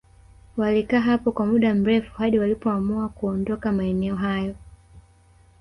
Walikaa hapo kwa muda mrefu hadi walipoamua kuondoka maeneo hayo